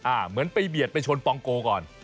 เหมือนไปเบียดไปชนปองโกก่อน